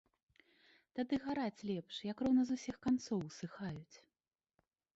Тады гараць лепш, як роўна з усіх канцоў усыхаюць.